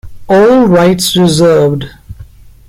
All rights reserved.